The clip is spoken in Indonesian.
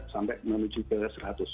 sampai menuju ke seratus